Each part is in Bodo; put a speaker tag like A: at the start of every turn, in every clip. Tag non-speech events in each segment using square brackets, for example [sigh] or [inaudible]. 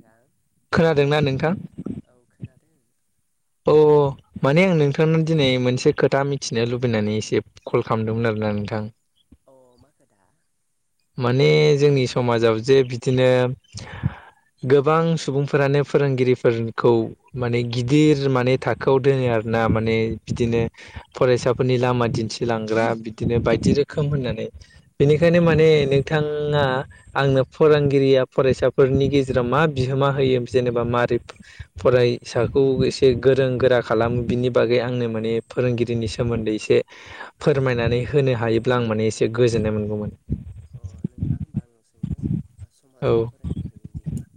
A: रां
B: खोनादोंना नोंथां?
A: औ खोनादों
B: अ माने आं नोंथांनाव दिनै मोनसे खोथा मिथिनो लुबैनानैसो कल खालामदोंमोन आरो ना नोंथां
A: अ मा खोथा?
B: माने जोंनि समाजाव जे बिदिनो गोबां सुबुंफोरानो फोरोंगिरिफोरखौ माने गिदिर माने थाखोआव दोनो आ रो ना माने बिदिनो फरायसाफोरनि लामा दिन्थिलांग्रा बिदिनो बायदि रोखोम होननानै बेनिखायनो
A: अ
B: माने नोंथाङा आंनो फोरोंगिरिया फरायसाफोरनि गेजेराव मा बिहोमा होयो? जेनेबा मारै फरायसाखौ एसे गोरों गोरा खालामो बिनि बागै आंनो माने फोरोंगिरि रिनि सोमोन्दै एसे फोरमायनानै होनो हायोब्ला आं माने एसे गोजोननाय मोनगौमोन।
A: अ नोंथाङा होनबा आंनाव सोंदों
B: औ
A: समाजाव फोरोंगिरिनि बिहोमा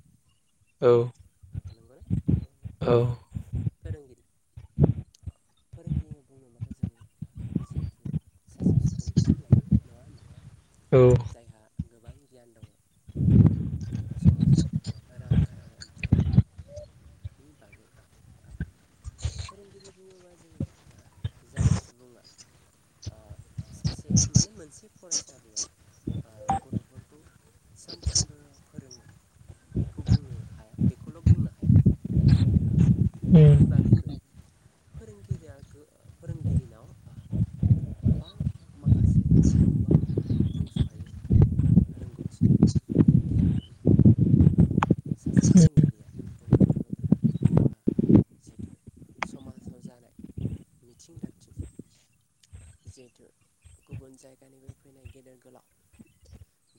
A: नंगौना
B: औ
A: औ
B: औ
A: फोरोंगिरि
B: [inaudible]
A: फोरोंगिरि बुङोबाथ' जों जिहेथु सासे सुबुंखौनो लायो। नङा होनबा?
B: औ
A: जायहा गोबां गियान दङ समाजारि रांखान्थियारि नि बागै आ फोरोंगिरि बुङोबा जोङो जाय सुबुङा आ सासे माने मोनसे फरायसालियाव ओ गथ'फोरखौ सानफ्रामबो फोरोङो बेखौ बुंनो हाया बेखौल' बुंनो हाया
B: उम
A: बिनि बागैबो फोरोंगिरिया फोरोंगिरिनाव आ गोबां माखासे माने गोबां बुंस'हायै रोंगौथि गियान दङ सासे फोरोंगिरिया बुंनो थाङोब्ला आ जिथु समाजाव जानाय मिथिं दावथिं जिहेथु गुबुन जायगानिफ्राय फैनाय गेदेर गोलाव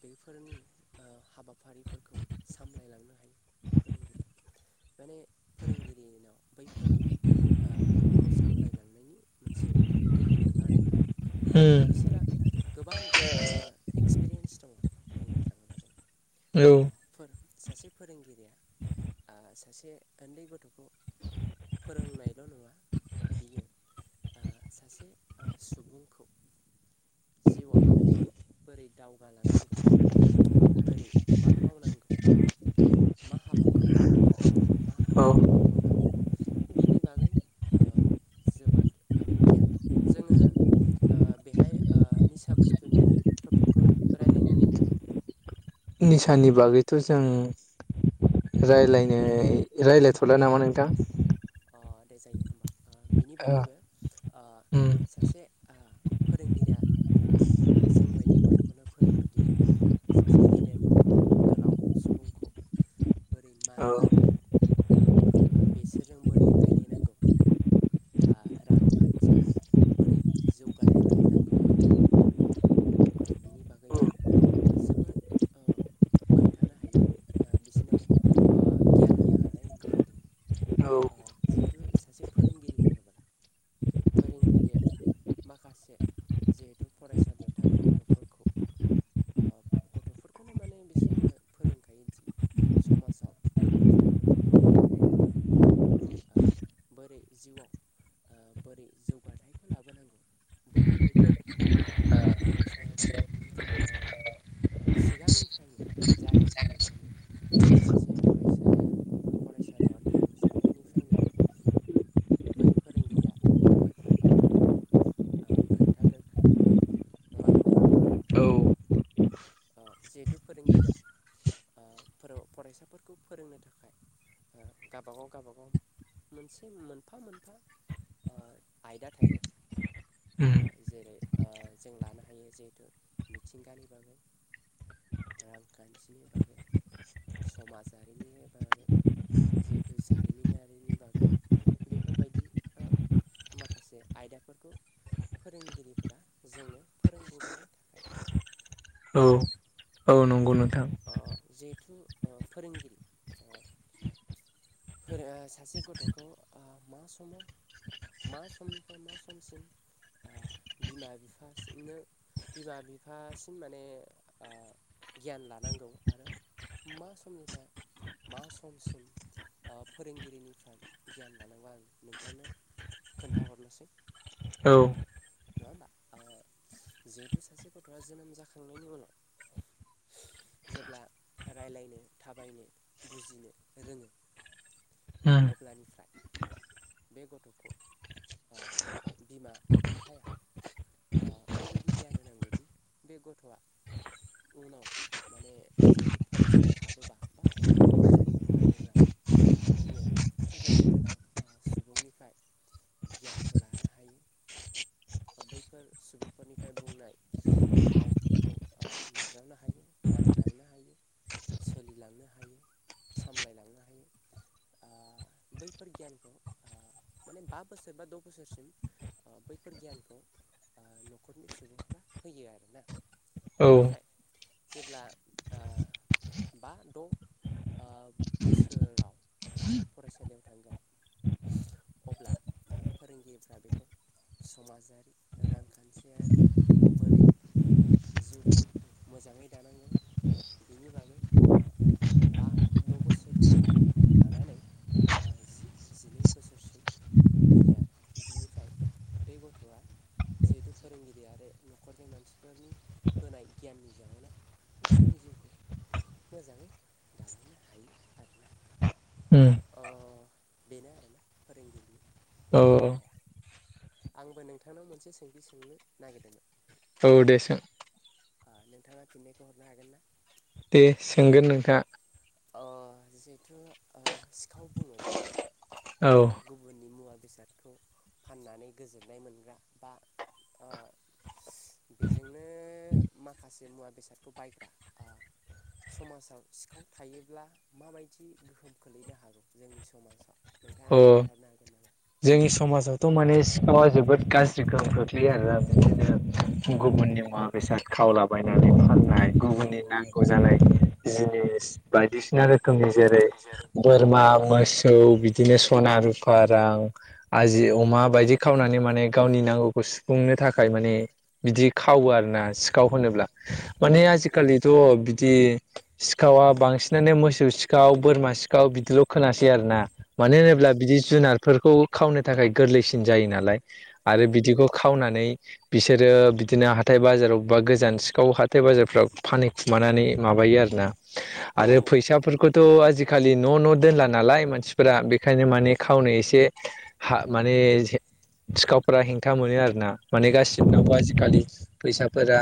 A: बेफोरनि ओ हाबाफारिफोरखौ सामलायलांनो हायो फोरोंगिरिया
B: [inaudible]
A: माने फोरोंगिरिनाव बैफोर ओ खौ सामलायलांनायनि मोनसे गोहो दं आरोना मानोना
B: उम
A: बिसोरहा गोबां ओ एक्सपिरियेन्स दङ बुंनो थाङोब्ला जों
B: औ
A: अ फोर सासे फोरोंगिरिया सासे आ ओन्दै गथ'खौ फोरोंनायल' नङा बियो ओ सासे सुबुंखौ जिउआव बोरै दावगालांनांगौ बोरै मा मावनांगौ मा हाबाखौ मावनाङा मा
B: औ
A: हाबाखौ मावनांगौ बिनि बागै ओ जोबोद माने गियान दं जोङो ओ बेहाय ओ निसा बुस्थुनि टपिकखौ राय्लायनो हायो ना
B: निसानि बागैथ' जों रायलायनो रायजलायथ'ला नामा नोंथां
A: अ दे जायो होमबा बिनि बागैबो
B: उम
A: सासे ओ फोरोंगिरिया जोंबायदि गथ'फोरनो फोरोङनोदि ओ सासे गेदेर गोलाव सुबुंखौ बोरै मान
B: औ
A: होनांगौ बेसोरजों बोरै रायलायनांगौ आ रांखान्थियाव बोरै जौगाथाय लाबोनांगौ
B: [inaudible]
A: बिनि बागैबो जोबोद ओ खोन्थानो हायो माने ओ बिसिनाव ओ गियान होनो हानाय गोहो दङ जिहेथु सासे फोरोंगिरि होनोब्ला फोरोंगिरिया माखासे जिहेथु फरायसालियाव थानाय गथ'फोरखौ ओ गथ'फोरखौनो माने बिसोरो फोरोंखायोदि समाजाव आखुथायफोरखौ बोरै देखायनांगौ ओ बोरै जिउआव बोरै जौगाथायाइखौ लाबोनांगौ बैफोरबायदि ओ खोथानि सायाव बे ओ सिगांनिफ्रायनो जागायजेननायनिफ्रायनो सासे फरायसाया फरायसालियाव थांजेननायनिफ्रायनो बै फोरोंगिरिया बैफोर बाथ्राफोरखौ खोन्थागोनखाय नङा होमबा।
B: औ
A: ओ जिहेथु फोरोंगिरिया। ओ फोर' फरायसाफोरखौ फोरोंनो थाखाय ओ गाबागाव गाबागाव मोनसे मोनफा मोनफा ओ आयदा थायो
B: उम
A: ओ जेरै ओ जों लानो हायो जिहेथु मिथिंगानि बागै
B: [inaudible]
A: रांखान्थिनि बागै समाजारिनि बागै जिहेथु जारिमिनारिनि बागै बेफोरबायदि ओ माखासे आयदाफोरखौ फोरोंगिरिफोरा जोंनो फोरोंबोबाय थाखायो
B: औ औ नंगौ नों
A: अ जिहेथु ओ फोरोंगिरि ओ फोर ओ सासे गथ'खौ ओ मा समाव मा समनिफ्राय मा समसिम आ बिमा बिफानो बिमा बिफासिम माने ओ गियान ला नांगौ आरो मा समनिफ्राय मा समसिम ओ फोरोंगिरिनिफ्राय गियान लानांगौ आं नोंथांनो खोन्थाहरनोसै
B: औ
A: नङा होमबा ओ जिहेथु सासे गथ'आ जोनोम जाखांनायनि उनाव जेब्ला रायलायनो थाबायनो बुजिनो रोङो
B: उम
A: अब्लानिफ्राय बे गथ'खौ आ बिमा बिफाया
B: [inaudible]
A: आ ओरैबायदि गियान होनांगौदि बे गथ'आ उनाव माने जिहेतु फरायसालियाव हाबोबा बा गुबुन जायगायाव थाङोबा बियो गेदेर गोलाव आ सुबुंनिफ्राय गियानखौ लानो हायो बैफोर सुबुंफोरनिफ्राय बुंनाय रावफोरखौ आ नाजावनो हायो मानिलांनो हायो सोलिलांनो हायो सामलायलांनो हायो आ बैफोर गियानखौ आ माने बा बोसोर बा द' बोसोरसिम अ बैफोर गियानखौ ओ न'खरनि सुबुंफोरा होयो आरो ना
B: औ
A: बेनिफाय जेब्ला आ बा द' आ बोसोराव जिहेतु फरायसालियाव थांगोन अब्ला दा फोरोंगिरिफ्रा बेखौ समाजारि रांखान्थियारि बोरै ओ जिउखौ मोजाङै दानांगौ बिनि बागै आ बा द' बोसोरनिफ्राय लानानै ओ जि जिनै बोसोरसिम होयो आरो बिनिफाय बे गथ'आ जिहेथु फोरोंगिरि आरो न'खरनि मानसिफोरनि होनाय गियाननि जाहोनाव गावनि जिउखौ मोजाङै दालांनो हायो आरो ना
B: उम
A: अ बेनो आरोना फोरोंगिरिनि
B: औ
A: बिहोमाया आंबो नोंथांनाव मोनसे सोंथि सोंनो नागिरदोंमोन
B: औ दे सों
A: आ नोंथाङा फिन्नायखौ हरनो हागोन ना
B: दे सोंगोन नोंथाङा
A: अ जिहेथु ओ सिखाव बुङो जोङो
B: औ
A: ओ गुबुननि मुवा बेसादखौ फाननानै गोजोननाय मोनग्रा बा ओ
B: [inaudible]
A: बेजोंनो माखासे मुवा बेसादखौ बायग्रा आ समाजाव सिखाव थायोब्ला माबायदि गोहोम खोलैनो हागौ जोंनि समाजाव नोंथाङा
B: अ
A: खोन्थाहरनो हागोन नामा
B: जोंनि समाजावथ' माने सिखावा जोबोद गाज्रि गोहोम खोख्लैयो आरोना बिदिनो
A: औ औ
B: गुबुननि मुवा बेसाद खावलाबायनानै फाननाय
A: औ
B: गुबुननि नांगौ जानाय जिनिस बायदिसिना रोखोमनि जेरै बोरमा मोसौ बिदिनो सना रुफा रां आजि अमा बायदि खावनानै माने गावनि नांगौखौ सुफुंनो थाखाय माने बिदि खाव खावो आरोना सिखाव होनोब्ला माने
A: औ
B: आजिखालिथ' बि दि सिखावा बांसिनानो मोसौ सिखाव बोरमा सिखाव बिदिल' खोनासै आरोना मानो होनोब्ला
A: औ
B: बिदि जुनारफोरखौ खावनो थाखाय गोरलैसिन जायो नालाय
A: औ
B: आरो
A: औ
B: बिदिखौ
A: नंगौ
B: खावनानै बिसोर बिसोरो बिदिनो हाथाय बाजारावबबा गोजान सिखाव हाथाय बाजारफ्राव फानखुमानानै माबायो आरो ना आरो
A: औ
B: फैसाफोरखौथ' आजि जिखालि न' न' दोनला नालाय मानसिफोरा बेखायनो माने खावनो एसे हा माने एसे सिखावफोरा हेंथा मोनो आरोना माने गासि
A: औ
B: नागौ
A: औ
B: आजिखालि फैसाफोरा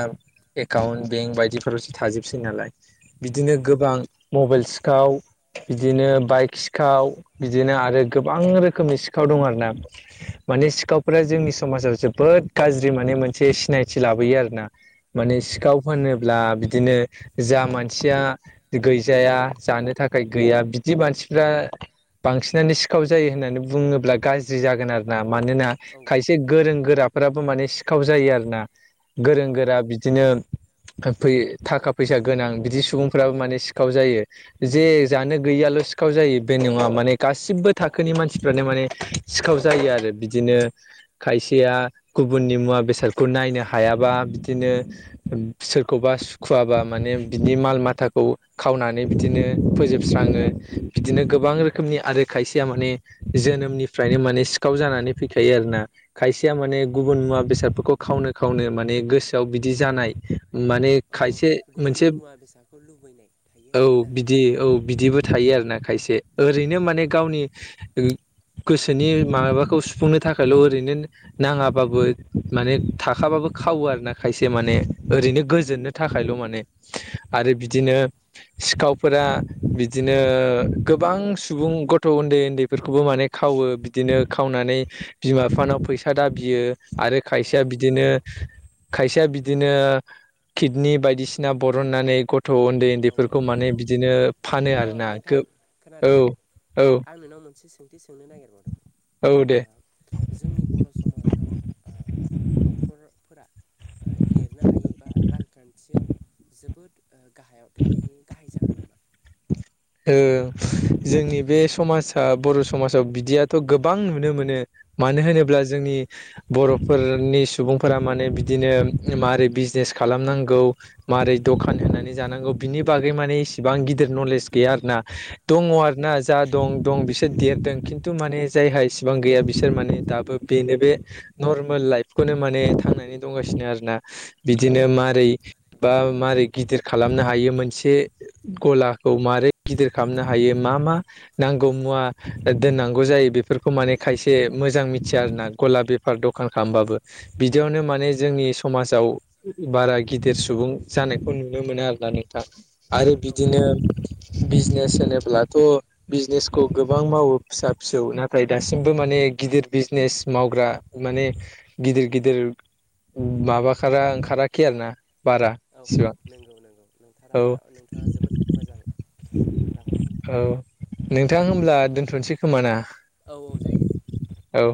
B: एकाउन्ट बेंक बायदिफोरावसो थाजोबसै नालाय
A: औ
B: बिदिनो गोबां मबाइल सिखाव बिदिनो बाइक सिखाव बिदिनो आरो गोबां रोखोमनि सि खाव दं आरो ना माने सिखावफोरा जोंनि समाजाव जोबोद गाज्रि माने मोनसे सि सिनायथि लाबोयो आर ना माने सिखाव फानोब्ला बिदिनो जा मानसिया गैजाया जानो थाखाय गैया बिदि मानसिफ्रा बांसिनानो सिखाव जायो होननानै बुङो। ल्बा गाज्रि जागोन आरोना मानोना
A: औ
B: खायसे गोरों गोरा फोराबो माने सिखाव जायो आरो ना गोरों
A: औ
B: गोरा बिदिनो फोयो थाखा फैसा गोनां बिदि सुबुंफ्राबो माने सिखाव जायो जे जानो गैयियाल ल' सिखाव जायो बे नङा माने गासिबो थाखोनि मानसिफ्रानो माने सिखाव जायो आरो बिदिनो खायसेया गुबुननि मुवा बेसादखौ नायनो हायाब बा बिदिनो सोरखौबा सुखुवाबा माने बिनि माल माथाखौ खावनानै बिदिनो फोजोबस्राङो बिदिनो गोबां रोखोमनि आरो खायसेया माने जोनोमनि फ्रायनो माने सिखाव जानानै फैखायो आरो ना खायसेया माने गुबुन मुवा बेसादफोरखौ खावनो खावनो माने गोसोआव बिदि जानाय माने
A: औ
B: खायसे मोनसे
A: गुबुननि मुवा बेसादखौ लुबैनाय थायो
B: औ
A: आरोना
B: बिदि औ बिदिबो थायो आरो ना खायसे ओरैनो माने गावनि ओ गोसोनि माबाखौ सुफुंनो थाखायल' ओरैनो नाङाबाबो माने थाखाबाबो खावो आरो ना खायसे माने ओरैनो गोजोननो थाखायल' माने आरो
A: औ
B: बिदिनो सिखावफोरा बिदिनो गोबां सुबुं गथ' उन्दै उन्दैफोरखौबो माने खावो बिदिनो खावनानै बिमा बिफानाव फैसा दाबियो आरो
A: औ
B: खायसेया
A: औ औ
B: बिदिनो खायसेया बिदिनो किडनि बायदिसिना बरननानै ग थ' उन्दै
A: औ
B: उन्दैफोरखौ
A: औ
B: माने
A: औ
B: बिदिनो फानो आरो ना
A: नोंथां
B: गोब
A: खोनादों
B: औ औ
A: आं नोंनाव मोनसे सोंथि सोंनो नागिरबावदोंमोन
B: औ दे
A: [inaudible] जोंनि बर' समाजाव [inaudible] ओ देरनो हायो बा रांखान्थियाव जोबोद गाहाय। [inaudible]
B: ओ जोंनि बे समाजा बर' समाजाव बिदियाथ' गोबां नुनो मोनो। मानो
A: औ
B: होनोब्ला जोंनि बर'फोरनि सुबुंफोरा माने बिदिनो माबारै बिजनेस खालामनांगौ मारै दखान होनानै जानांगौ बिनि बागै माने इसेबां गिदिर नलेज गैया आरोना दङ
A: औ
B: आरोना जा दं दं बिसोर देरदों खिन्थु माने जायहा इसेबां गैया बिसोर माने दाबो बेनो बे न फरमेल लाइफखौनो माने थांनानै दंगासिनो आरोना बिदिनो मारै बा मारै गिदिर खालामनो हायो मोनसे गला खौ मारै गिदिर खालामनो हायो मा-मा नांगौ मुवा दोननांगौ जायो बेफोरखौ माने खायसे मोजां मिथिया आरोना गला बेफार दखान खालामबाबो बिदियावनो माने जोंनि समाजाव औ बारा गिदिर सुबुं जानायखौ नुनो मोनो आरोना नोंथां आरो
A: औ औ
B: बिदिनो बिजनेस होनोब्लाथ' बिजनेसखौ गोबां मावो फिसा फिसौ नाथाय दासिमबो माने गिदिर बिजनेस मावग्रा माने गिदिर-गिदिर माबाखारा ओंखाराखै आरोना बारा इसिबां
A: थारा
B: औ
A: नोंथाङा जोबोद मोजां खोथाखौनो
B: औ
A: बुंदों।
B: नोंथां होमब्ला दोन्थ'सै खोमाना
A: औ औ जायो दे
B: औ